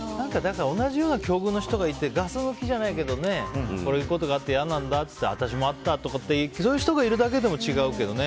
同じような境遇の人がいてガス抜きじゃないけどこういうことがあって嫌なんだって言って私もあったってそういう人がいるだけで違うけどね。